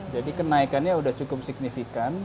jadi kenaikannya sudah cukup signifikan